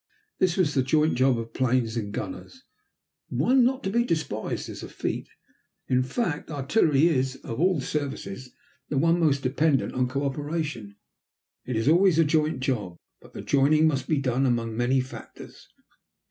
This was the joint job of planes and gunners one not to be despised as a feat. In fact, artillery is, of all services, the one most dependent on co operation. It is always a joint job, but the joining must be done among many factors.